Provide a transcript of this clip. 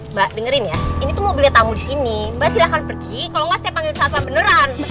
mbak dengerin ya ini tuh mobilnya tamu disini mbak silahkan pergi kalau enggak saya panggil satpam beneran